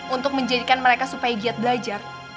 untuk menjadikan mereka supaya giat belajar